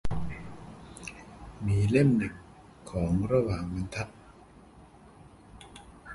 มีเล่มหนึ่งของระหว่างบรรทัด